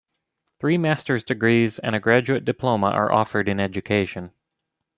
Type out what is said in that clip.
Three master's degrees and a graduate diploma are offered in education.